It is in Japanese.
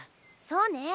そうね。